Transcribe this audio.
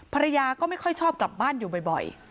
ภรรยาก็ไม่ค่อยชอบกลับบ้านอยู่บ่อย